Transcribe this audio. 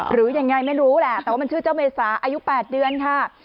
หรือยังไงไม่รู้แหละแต่ว่ามันชื่อเจ้าเมษาอายุ๘เดือนค่ะ